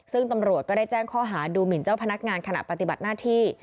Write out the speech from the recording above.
ซึ่งตำรวจก็ได้แจ้งข้อหาดูหมินเจ้าพนักงานขณะปฏิบัติหน้าที่